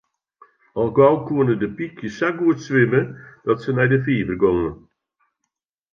Al gau koenen de pykjes sa goed swimme dat se nei de fiver gongen.